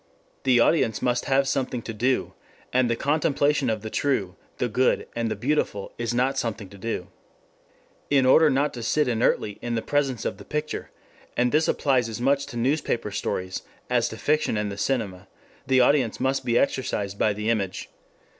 The audience must have something to do, and the contemplation of the true, the good and the beautiful is not something to do. In order not to sit inertly in the presence of the picture, and this applies as much to newspaper stories as to fiction and the cinema, the audience must be exercised by the image.